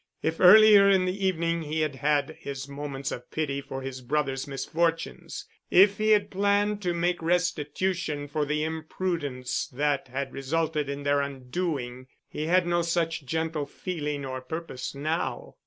If earlier in the evening he had had his moments of pity for his brother's misfortunes, if he had planned to make restitution for the imprudence that had resulted in their undoing, he had no such gentle feeling or purpose now.